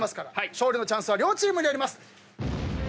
勝利のチャンスは両チームにあります。